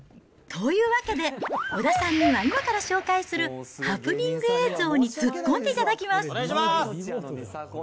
というわけで、小田さんには今から紹介するハプニング映像に突っ込んでいただきお願いします！